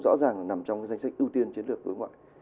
rõ ràng là nằm trong danh sách ưu tiên chiến lược với mọi người